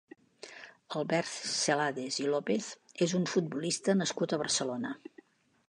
Albert Celades i López és un futbolista nascut a Barcelona.